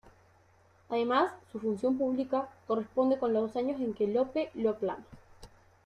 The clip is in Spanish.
Además, su función pública corresponde con los años en que Lope lo aclama.